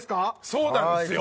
そうなんですよ。